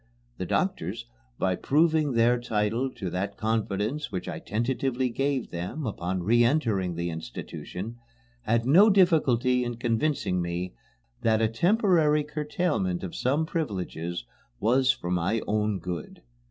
The doctors, by proving their title to that confidence which I tentatively gave them upon re entering the institution, had no difficulty in convincing me that a temporary curtailment of some privileges was for my own good.